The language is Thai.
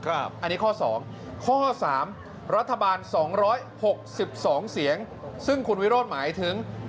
อันนี้ข้อ๒ข้อ๓รัฐบาล๒๖๒เสียงซึ่งคุณวิโรธหมายถึง